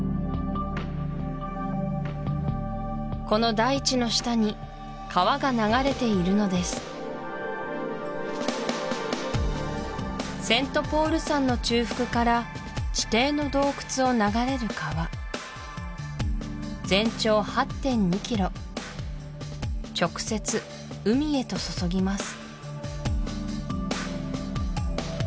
この大地の下に川が流れているのですセントポール山の中腹から地底の洞窟を流れる川全長８．２ｋｍ直接海へと注ぎます